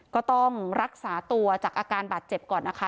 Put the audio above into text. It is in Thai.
ก็ต้องรักษาตัวจากอาการบาดเจ็บก่อนนะคะ